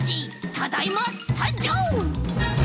ただいまさんじょう！